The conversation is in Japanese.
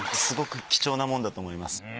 すごく貴重なものだと思います。